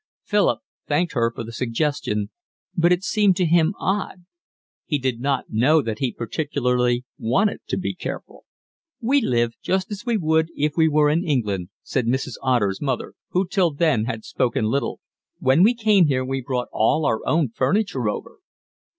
Philip thanked her for the suggestion, but it seemed to him odd. He did not know that he particularly wanted to be careful. "We live just as we would if we were in England," said Mrs. Otter's mother, who till then had spoken little. "When we came here we brought all our own furniture over."